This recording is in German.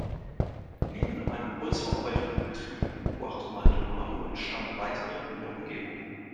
Neben einem holzverarbeitenden Betrieb in Puerto Maldonado entstanden weitere in der Umgebung.